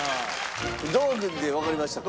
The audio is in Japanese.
道具でわかりましたか？